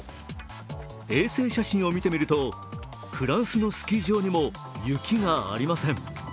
衛星写真を見てみるとフランスのスキー場にも雪がありません。